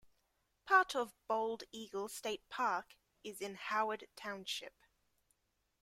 Part of Bald Eagle State Park is in Howard Township.